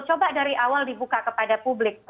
coba dari awal dibuka kepada publik